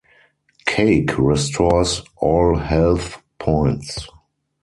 Cake restores all health points.